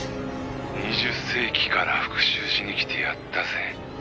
「２０世紀から復讐しに来てやったぜ。